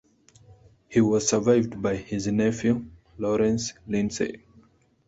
He was survived by his nephew Lawrence Lindsay.